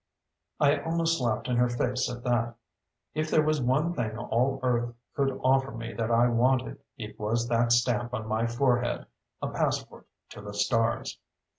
I almost laughed in her face at that. If there was one thing all Earth could offer me that I wanted, it was that stamp on my forehead: a passport to the stars....